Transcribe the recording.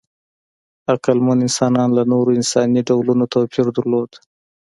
عقلمن انسانان له نورو انساني ډولونو توپیر درلود.